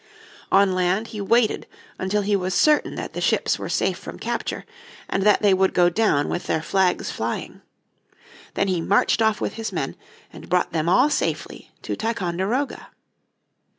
On land he waited until he was certain that the ships were safe from capture, and that they would go down with their flags flying. Then he marched off with his men, and brought them all safely to Ticonderoga.